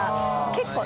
結構。